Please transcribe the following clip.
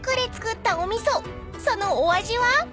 ［そのお味は］